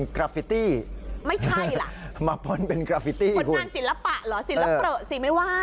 ไม่ใช่หรอมาพลเป็นกีตีครับน้านศิลปะเหรอศิลปไม่ว่า